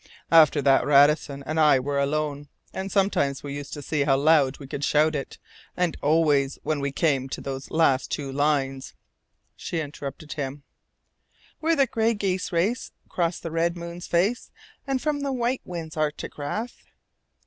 After that Radisson and I were alone, and sometimes we used to see how loud we could shout it, and always, when we came to those two last lines " She interrupted him: "Where the gray geese race 'cross the red moon's face From the white wind's Arctic wrath."